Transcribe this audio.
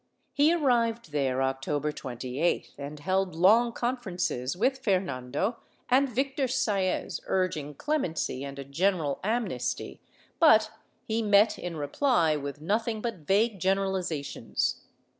He arrived there October 2Sth and held long conferences with Fer nando and Victor Saez, urging clemency and a general amnesty, but he met, in reply, with nothing but vague generalizations.